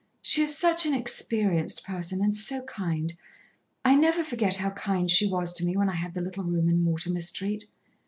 She is such an experienced person, and so kind. I never forget how kind she was to me when I had the little room in Mortimer Street."